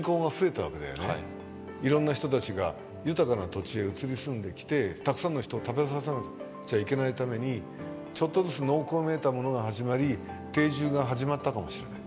いろんな人たちが豊かな土地へ移り住んできてたくさんの人を食べさせなくちゃいけないためにちょっとずつ農耕めいたものが始まり定住が始まったかもしれない。